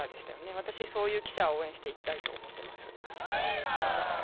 私はそういう記者を応援していきたいと思っています。